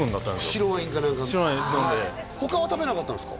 白ワインか何か白ワイン飲んで他は食べなかったんですか？